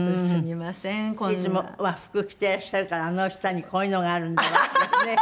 いつも和服着ていらっしゃるからあの下にこういうのがあるんだわってね